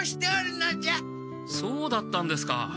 そうだったんですか。